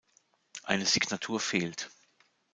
Eine Signatur fehlt.